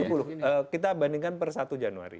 itu sepuluh kita bandingkan per satu januari